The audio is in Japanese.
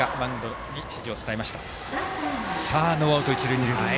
ノーアウト、一塁二塁ですね。